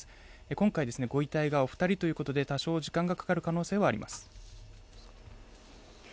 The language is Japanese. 今回、ご遺体がお二人ということで多少、時間がかかる可能性があります。